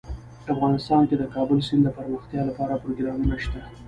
افغانستان کې د کابل سیند دپرمختیا لپاره پروګرامونه شته.